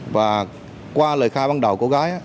và qua lời khai ban đầu cô gái